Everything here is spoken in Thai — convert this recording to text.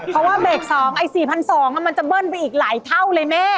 เพราะว่าเบรก๒ไอ้๔๒๐๐มันจะเบิ้ลไปอีกหลายเท่าเลยแม่